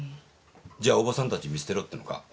じゃあ叔母さんたち見捨てろっていうのか？